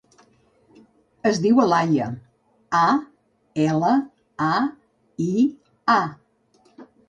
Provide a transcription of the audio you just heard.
Es diu Alaia: a, ela, a, i, a.